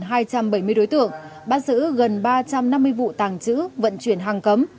trong bảy mươi đối tượng bán giữ gần ba trăm năm mươi vụ tàng trữ vận chuyển hàng cấm